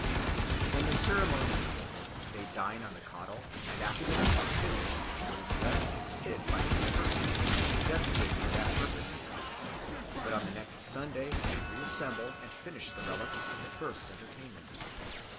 When the ceremony is over, they dine on the caudle; and after the feast is finished, what is left is hid by two persons deputed for that purpose; but on the next Sunday they reassemble, and finish the reliques of the first entertainment."